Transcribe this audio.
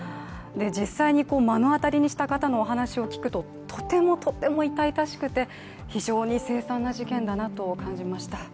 実際に目の当たりにした方のお話を聞くと、とてもとても痛々しくて、非常にせい惨な事件だなと感じました。